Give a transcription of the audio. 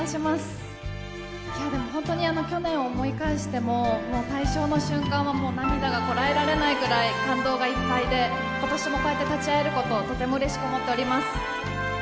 本当に去年を思い返しても、大賞の瞬間はもう涙がこらえらないぐらい感動がいっぱいで今年もこうやって立ち会えることをとてもうれしく思っています。